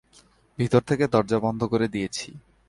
ভিতর থেকে দরজা বন্ধ করে দিয়েছি।